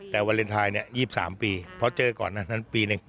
แต่วาเลนไทย๒๓ปีเพราะเจอก่อนนั้น๑ปี